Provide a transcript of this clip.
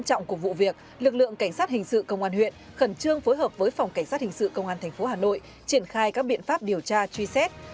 quan trọng của vụ việc lực lượng cảnh sát hình sự công an huyện khẩn trương phối hợp với phòng cảnh sát hình sự công an tp hà nội triển khai các biện pháp điều tra truy xét